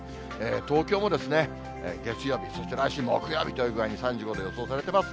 東京も月曜日、そして来週木曜日という具合に、３５度予想されてます。